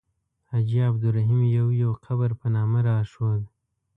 حاجي عبدالرحیم یو یو قبر په نامه راښود.